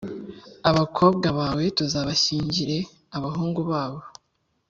Abakobwa bawe ntuzabashyingire abahungu babo,